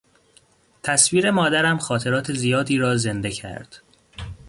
تصویر مادرم خاطرات زیادی را زنده کرد.